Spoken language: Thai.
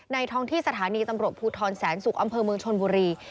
ท้องที่สถานีตำรวจภูทรแสนศุกร์อำเภอเมืองชนบุรี